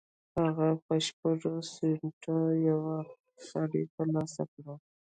هغه په شپږو سينټو یوه نړۍ تر لاسه کړه